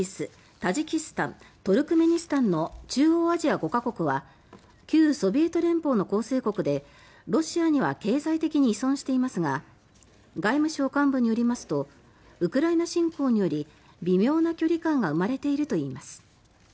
タジキスタントルクメニスタンの中央アジア５か国は旧ソビエト連邦の構成国でロシアには経済的に依存していますが外務省幹部によりますとウクライナ侵攻により微妙な距離感が生まれているといいます。